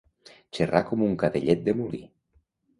Xerrar com un cadellet de molí.